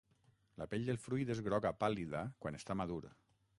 La pell del fruit és groga pàl·lida quan està madur.